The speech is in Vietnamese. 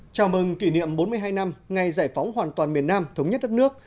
chào mừng kỷ niệm bốn mươi hai năm ngày giải phóng hoàn toàn miền nam thống nhất đất nước